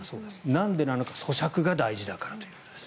なんでなのか、そしゃくが大事だからということです。